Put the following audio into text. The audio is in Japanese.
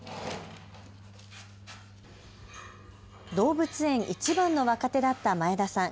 動物園いちばんの若手だった前田さん。